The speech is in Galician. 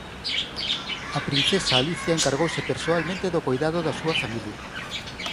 A princesa Alicia encargouse persoalmente do coidado da súa familia.